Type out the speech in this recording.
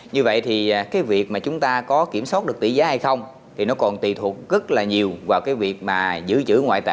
như vậy thì cái việc mà chúng ta có kiểm soát được tỷ giá hay không thì nó còn tùy thuộc rất là nhiều vào cái việc mà giữ chữ ngoại tệ của ngân hàng nhà nước